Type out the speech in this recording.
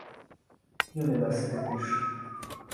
Universityn is.